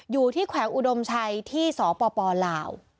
อยู่ที่แขวงอุดมชัยที่สปตรลาว